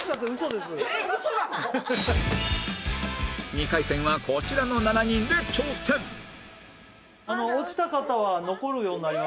２回戦はこちらの７人で挑戦え！